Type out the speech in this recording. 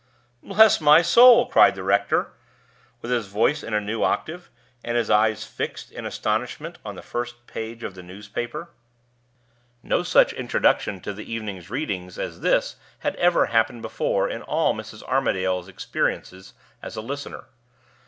"Bless my soul!" cried the rector, with his voice in a new octave, and his eyes fixed in astonishment on the first page of the newspaper. No such introduction to the evening readings as this had ever happened before in all Mrs. Armadale's experience as a listener.